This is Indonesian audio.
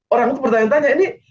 orang itu bertanya tanya ini